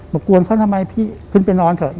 กวนเขาทำไมพี่ขึ้นไปนอนเถอะ